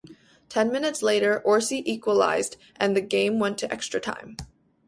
Ten minutes later Orsi equalized and the game went to extra-time.